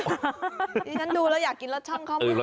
ดิฉันดูแล้วอยากกินรสช่องเขา